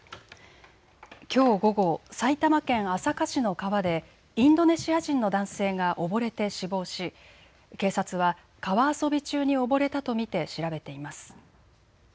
きょう午後、埼玉県朝霞市の川でインドネシア人の男性が溺れて死亡し警察は川遊び中に溺れたと見て調べています。